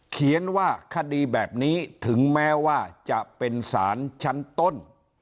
เขียนว่าคดีแบบนี้ถึงแม้ว่าจะเป็นสารชั้นต้น